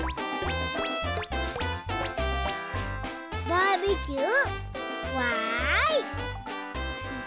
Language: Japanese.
バーベキューわい！